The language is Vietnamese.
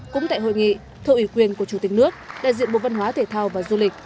cũng tại hội nghị thợ ủy quyền của chủ tịch nước đại diện bộ văn hóa thể thao và du lịch